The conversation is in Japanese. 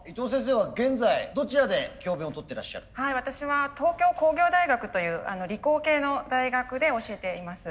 私は東京工業大学という理工系の大学で教えています。